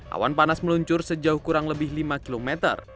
awan panas meluncur sejauh kurang lebih lima km